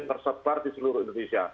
tersebar di seluruh indonesia